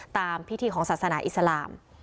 ตามพิธีของศาสนาอิสลาม